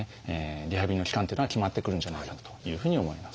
リハビリの期間っていうのは決まってくるんじゃないかというふうに思います。